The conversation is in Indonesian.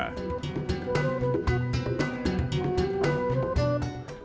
berita terkini mengenai masyarakat garut